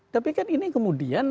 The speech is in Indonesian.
tapi kan ini kemudian